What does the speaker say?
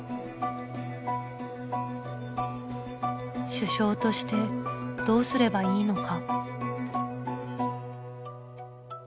主将としてどうすればいいのか。